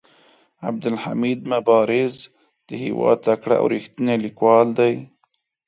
عبدالحمید مبارز د هيواد تکړه او ريښتيني ليکوال دي.